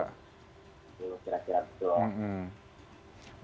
nah ini mas giras kan puasanya tadi dibilang